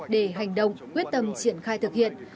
để hành động quyết tâm triển khai thực hiện